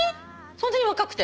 そんなに若くて？